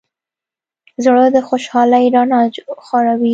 زړه د خوشحالۍ رڼا خوروي.